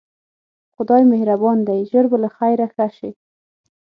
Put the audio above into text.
خدای مهربان دی ژر به له خیره ښه شې.